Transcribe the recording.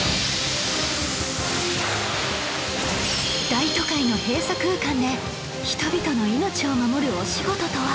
大都会の閉鎖空間で人々の命を守るお仕事とは？